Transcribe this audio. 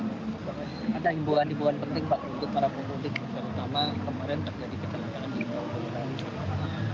ada hiburan hiburan penting pak untuk para penduduk terutama kemarin terjadi kecelakaan di itul fitri